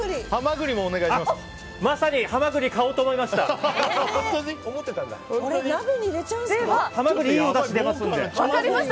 まさに、ハマグリを買おうと思いました！